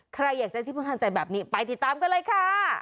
ใครอยากจะที่ประทานใจแบบนี้ไปติดตามกันเลยค่ะ